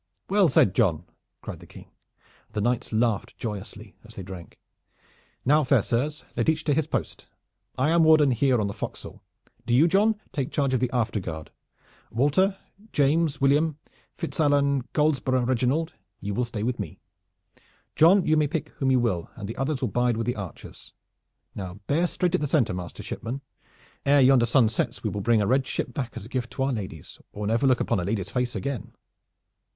"Well said, John!" cried the King, and the knights laughed joyously as they drank. "Now, fair sirs, let each to his post! I am warden here on the forecastle. Do you, John, take charge of the afterguard. Walter, James, William, Fitzallan, Goldesborough, Reginald you will stay with me! John, you may pick whom you will and the others will bide with the archers. Now bear straight at the center, master shipman. Ere yonder sun sets we will bring a red ship back as a gift to our ladies, or never look upon a lady's face again."